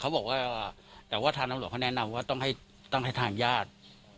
แต่เขาบอกว่าทางนำรวมก็แนะนำว่าต้องให้ทางญาติ